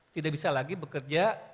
tidak bisa lagi bekerja